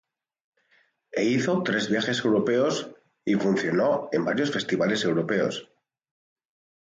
E hizo tres viajes europeos y funcionó en varios festivales europeos.